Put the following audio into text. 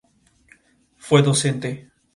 Nace en Saumur, departamento de Maine-et-Loire.